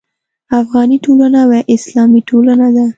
افغاني ټولنه یوه اسلامي ټولنه ده.